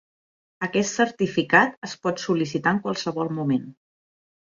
Aquest certificat es pot sol·licitar en qualsevol moment.